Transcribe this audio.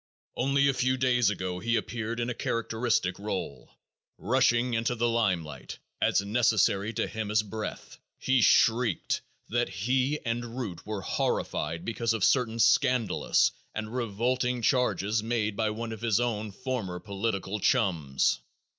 Only a few days ago he appeared in a characteristic role. Rushing into the limelight, as necessary to him as breath, he shrieked that he and "Root" were "horrified" because of certain scandalous and revolting charges made by one of his own former political chums.